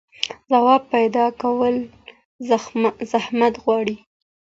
ځواب پيدا کول زحمت غواړي.